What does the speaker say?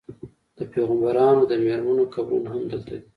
د پیغمبرانو د میرمنو قبرونه هم دلته دي.